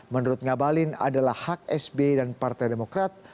menurut ngabalin adalah hak sbe dan partai demokrat